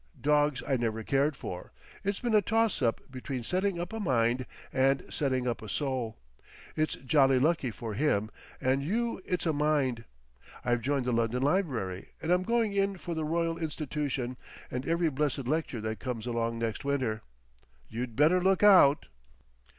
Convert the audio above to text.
Dogs I never cared for. It's been a toss up between setting up a mind and setting up a soul. It's jolly lucky for Him and you it's a mind. I've joined the London Library, and I'm going in for the Royal Institution and every blessed lecture that comes along next winter. You'd better look out."...